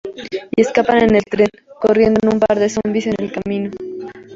Y escapan en el tren, corriendo en un par de zombis en el camino.